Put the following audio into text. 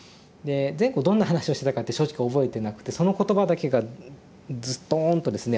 前後どんな話をしてたかって正直覚えてなくてその言葉だけがズトーンとですね